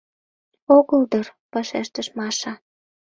— Огыл дыр, — вашештыш Маша.